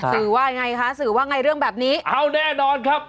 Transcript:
สื่อว่าไงคะสื่อว่าไงเรื่องแบบนี้เอาแน่นอนครับ